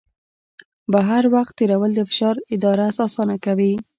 بهر وخت تېرول د فشار اداره اسانه کوي.